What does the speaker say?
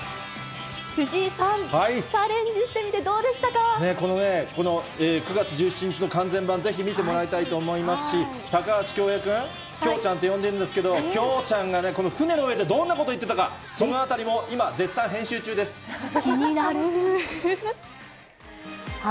藤井さん、このね、この９月１７日の完全版、ぜひ見てもらいたいなと思いますし、高橋恭平君、きょろちゃんと呼んでるんですけど、きょろちゃんがね、この船の上でどんなこと言ってたか、そのあた気になる。